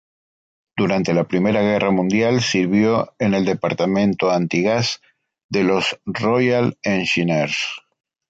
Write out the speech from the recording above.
Durante la Primera Guerra Mundial sirvió en el Departamento Antigás de los Royal Engineers.